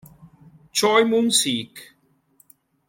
Choi Moon-sik